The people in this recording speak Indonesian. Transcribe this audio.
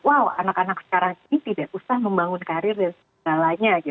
wow anak anak sekarang ini tidak usah membangun karir dan segalanya